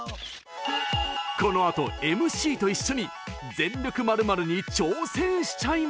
このあとＭＣと一緒に「全力○○」に挑戦しちゃいます。